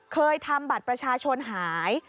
เคยทำบัตรประชาชนหาย